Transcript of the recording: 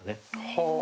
はあ！